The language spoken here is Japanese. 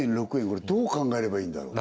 これどう考えればいいんだろう？